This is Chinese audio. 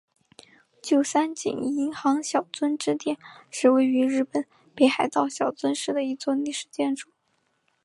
旧三井银行小樽支店是位于日本北海道小樽市的一座历史建筑。